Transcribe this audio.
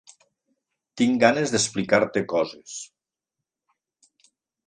Tinc ganes d'explicar-te coses.